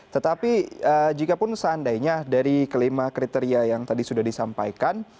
tetapi jikapun seandainya dari kelima kriteria yang tadi sudah disampaikan